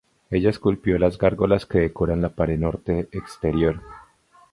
Ella esculpió las gárgolas que decoran la pared norte exterior.